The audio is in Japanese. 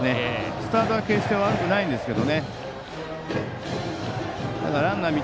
スタートは決して悪くないですけど。